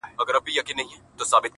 چي باد مي ستا له لاري څخه پلونه تښتوي-